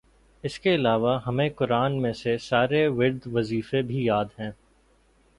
اسکے علاوہ ہمیں قرآن میں سے سارے ورد وظیفے بھی یاد ہیں